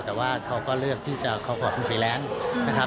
แต่ว่าเขาก็เลือกที่จะขอบความเป็นฟรีแลนซ์นะครับ